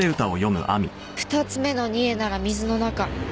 「二つ目の贄なら水の中」